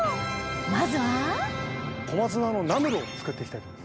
まずは小松菜のナムルを作っていきたいと思います。